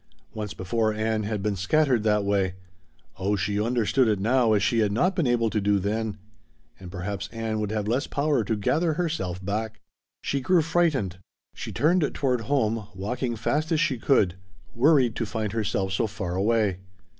Once before Ann had been "scattered" that way oh she understood it now as she had not been able to do then. And perhaps Ann would have less power to gather herself back She grew frightened. She turned toward home, walking fast as she could worried to find herself so far away.